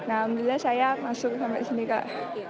alhamdulillah saya masuk sampai sini kak